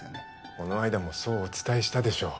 この間もそうお伝えしたでしょう